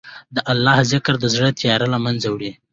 د الله ذکر د زړه تیاره له منځه وړي.